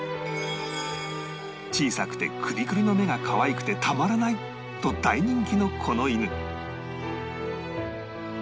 小さくてクリクリの目がかわいくてたまらないと大人気のこの犬